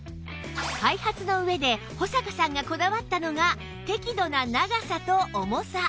開発の上で保阪さんがこだわったのが適度な長さと重さ